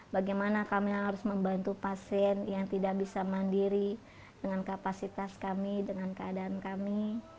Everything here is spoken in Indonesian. bagaimana kami harus membantu pasien yang tidak bisa mandiri dengan kapasitas kami dengan keadaan kami